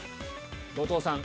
後藤さん。